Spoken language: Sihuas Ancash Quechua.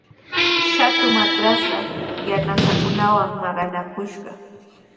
Shatu matrashqa yanasankunawan maqanakushqa.